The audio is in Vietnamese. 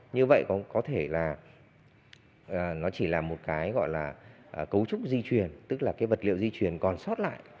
như vậy có thể là nó chỉ là một cái gọi là cấu trúc di chuyển tức là cái vật liệu di truyền còn sót lại